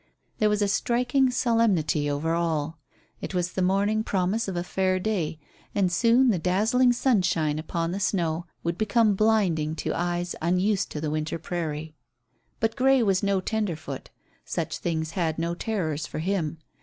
There was a striking solemnity over all. It was the morning promise of a fair day, and soon the dazzling sunshine upon the snow would become blinding to eyes unused to the winter prairie. But Grey was no tenderfoot. Such things had no terrors for him.